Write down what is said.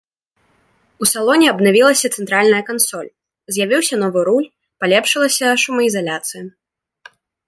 У салоне абнавілася цэнтральная кансоль, з'явіўся новы руль, палепшылася шумаізаляцыя.